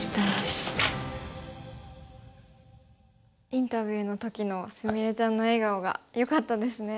インタビューの時の菫ちゃんの笑顔がよかったですね。